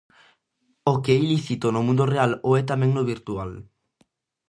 O que é ilícito no mundo real o é tamén no virtual.